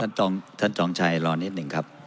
ท่านจองชัยรอนิดหนึ่งครับ